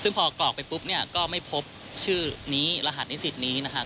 ซึ่งพอกรอกไปปุ๊บเนี่ยก็ไม่พบชื่อนี้รหัสนิสิตนี้นะครับ